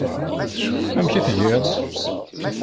Amek i tgiḍ?